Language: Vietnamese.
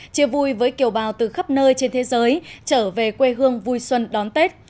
chia vui với kiều bào từ khắp nơi trên thế giới trở về quê hương vui xuân đón tết